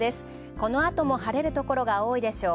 このあとも晴れるところが多いでしょう。